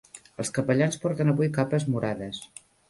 Els capellans porten avui capes morades.